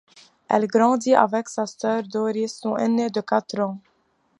Elle grandit avec sa sœur Doris, son aînée de quatre ans.